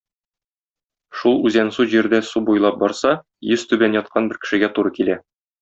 Шул үзәнсу җирдә су буйлап барса, йөзтүбән яткан бер кешегә туры килә.